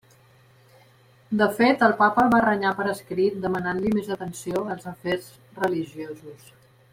De fet, el Papa el va renyar per escrit demanant-li més atenció als afers religiosos.